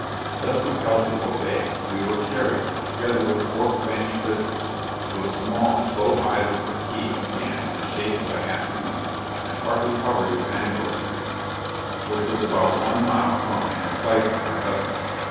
Thus compelled to obey, we were carried, together with four Spanish prisoners, to a small, low island or key of sand in the shape of a half moon, and partly covered with mangrove trees; which was about one mile from and in sight of my vessel.